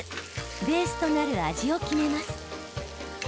ベースとなる味を決めます。